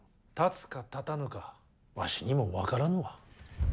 たつか、たたぬか、わしにも分からぬ。